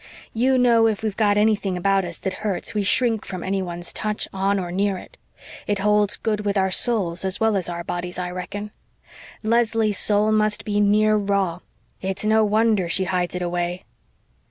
You know if we've got anything about us that hurts we shrink from anyone's touch on or near it. It holds good with our souls as well as our bodies, I reckon. Leslie's soul must be near raw it's no wonder she hides it away."